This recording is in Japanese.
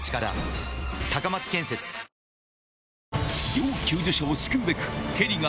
要救助者を救うべくヘリが